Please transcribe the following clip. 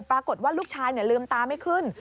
ปรากฏว่าลูกชายลืมตาไม่ขึ้น